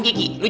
ya udah keluar